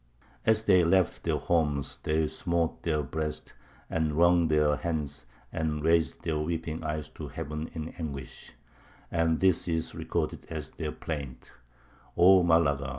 As they left their homes they smote their breasts, and wrung their hands, and raised their weeping eyes to heaven in anguish; and this is recorded as their plaint: O Malaga!